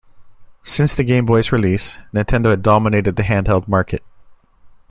Since the Game Boy's release, Nintendo had dominated the handheld market.